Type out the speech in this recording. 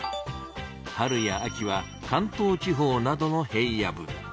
春や秋は関東地方などの平野部。